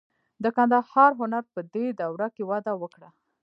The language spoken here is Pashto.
د ګندهارا هنر په دې دوره کې وده وکړه.